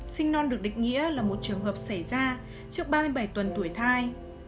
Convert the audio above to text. sinh non được định nghĩa là một trường hợp xảy ra trước ba mươi bảy tuần tuổi thai